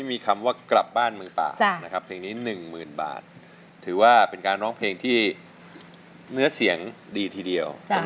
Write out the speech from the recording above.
มีความฟันรู้ถว่าแนนแรงเหมือนแนน